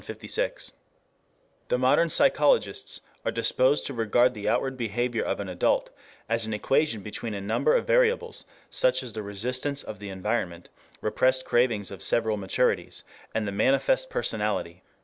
] The modern psychologists are disposed to regard the outward behavior of an adult as an equation between a number of variables, such as the resistance of the environment, repressed cravings of several maturities, and the manifest personality.